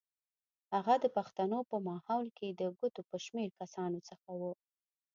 هغه د پښتنو په ماحول کې د ګوتو په شمېر کسانو څخه و.